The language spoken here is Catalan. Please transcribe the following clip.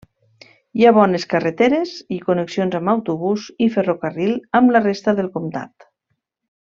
Hi ha bones carreteres i connexions amb autobús i ferrocarril amb la resta del comtat.